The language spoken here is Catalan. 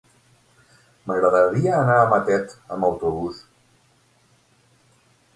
M'agradaria anar a Matet amb autobús.